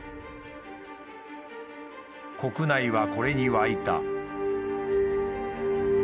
国内はこれに沸いた。